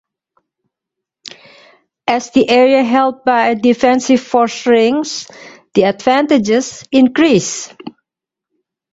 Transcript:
As the area held by a defensive force shrinks, the advantages increase.